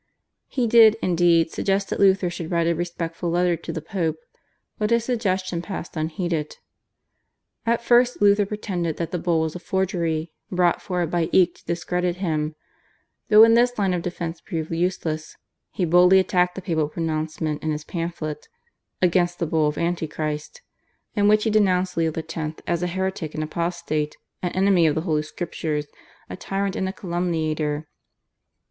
He did, indeed, suggest that Luther should write a respectful letter to the Pope, but his suggestion passed unheeded. At first Luther pretended that the Bull was a forgery brought forward by Eck to discredit him, but when this line of defence proved useless, he boldly attacked the papal pronouncement in his pamphlet, /Against the Bull of Anti Christ/, in which he denounced Leo X. as a heretic and apostate, an enemy of the Holy Scriptures, a tyrant, and a calumniator.